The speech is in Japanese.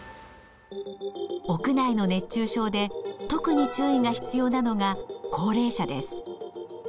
屋内の熱中症で特に注意が必要なのが高齢者です。